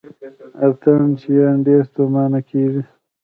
اتڼ چیان ډېر ستومانه کیږي.